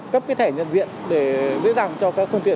cấp cái thẻ nhân diện